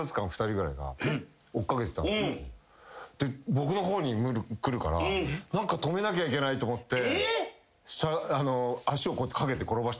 僕の方に来るから止めなきゃいけないと思って。